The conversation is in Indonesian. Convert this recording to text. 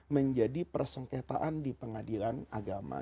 menjadi persengketaan di pengadilan agama